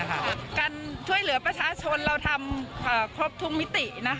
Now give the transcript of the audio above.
การช่วยเหลือประชาชนเราทำครบทุกมิติ